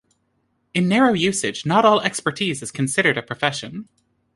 In narrow usage, not all expertise is considered a profession.